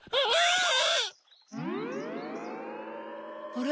あれ？